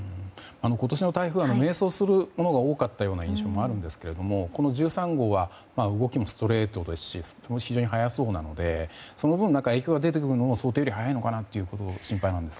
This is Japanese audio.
今年の台風は迷走するものが多かった印象もあるんですが、１３号は動きもストレートですしスピードも非常に速そうなのでその分、影響が出るのも想定より早いのかと心配なんですが。